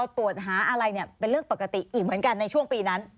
ตรวจหาอะไรเป็นเรื่องปกติอีกเหมือนกันในช่วงปีนั้น